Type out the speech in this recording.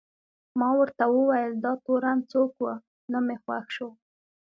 ما ورته وویل: دا تورن څوک و؟ نه مې خوښ شو.